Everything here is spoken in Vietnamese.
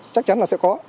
chắc chắn là sẽ có